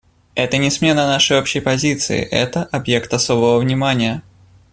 Это не смена нашей общей позиции; это — объект особого внимания.